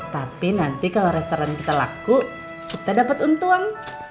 tapi nanti kalau restoran kita laku kita dapat untung